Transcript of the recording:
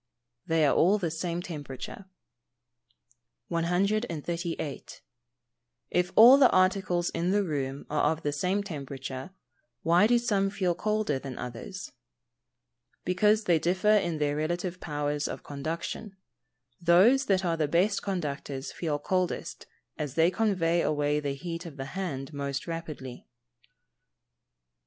_ They are all of the same temperature. 138. If all the articles in the room are of the same temperature, why do some feel colder than others? Because they differ in their relative powers of conduction. Those that are the best conductors feel coldest, as they convey away the heat of the hand most rapidly.